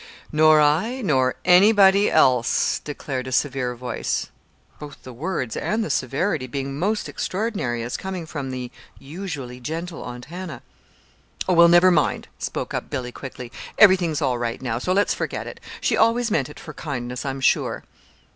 "Nor I nor anybody else," declared a severe voice both the words and the severity being most extraordinary as coming from the usually gentle Aunt Hannah. "Oh, well, never mind," spoke up Billy, quickly. "Everything's all right now, so let's forget it. She always meant it for kindness, I'm sure."